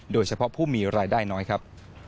โดยเฉพาะผู้มีรายได้น้อยครับ